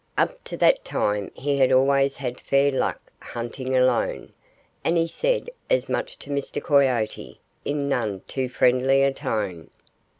Up to that time he had always had fair luck hunting alone. And he said as much to Mr. Coyote, in none too friendly a tone.